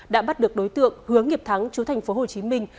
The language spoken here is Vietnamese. đã bắt được đối tượng hướng nghiệp thắng chú thành phố hồ chí minh